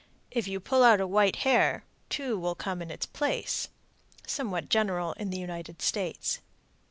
If you pull out a white hair, two will come in its place. _Somewhat general in the United States.